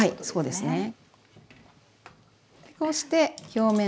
そうですね。